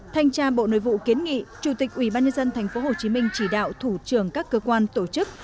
thanh tra bộ nội vụ kiến nghị chủ tịch ubnd tp hcm chỉ đạo thủ trưởng các cơ quan tổ chức